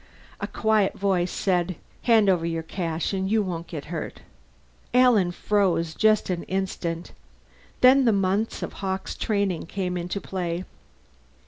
A quiet voice said, "Hand over your cash and you won't get hurt." Alan froze just an instant. Then the months of Hawkes' training came into play.